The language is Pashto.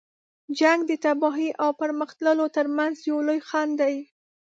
جنګ د تباهۍ او پرمخ تللو تر منځ یو لوی خنډ دی.